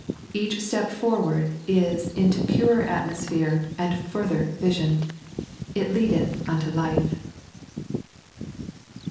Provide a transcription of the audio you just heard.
Each step forward is into purer atmosphere and further vision. " It leadeth unto life."